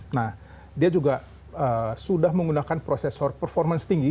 nah dia juga sudah menggunakan processor performance tinggi